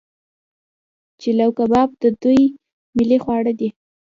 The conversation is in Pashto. چلو کباب د دوی ملي خواړه دي.